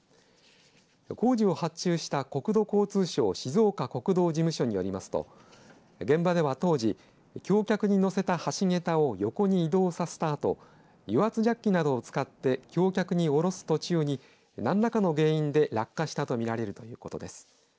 工事を発注した国土交通省静岡国道事務所によりますと現場では当時橋脚に載せた橋桁を横に移動させた後油圧ジャッキなどを使って橋脚に下ろす途中に何らかの原因で落下したと見られるということです。